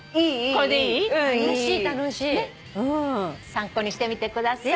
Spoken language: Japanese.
参考にしてみてください。